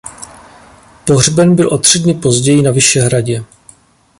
Pohřben byl o tři dny později na Vyšehradě.